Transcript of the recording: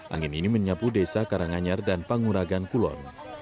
angin ini menyapu desa karanganyar dan panguragan kulon